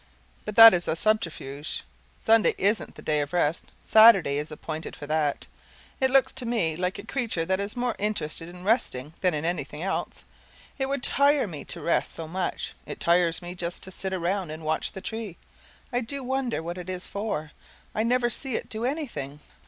But that is a subterfuge: Sunday isn't the day of rest; Saturday is appointed for that. It looks to me like a creature that is more interested in resting than in anything else. It would tire me to rest so much. It tires me just to sit around and watch the tree. I do wonder what it is for; I never see it do anything.